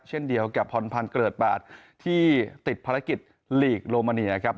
เช่นเดียวกับพรพันธ์เกิดบาดที่ติดภารกิจลีกโลมาเนียครับ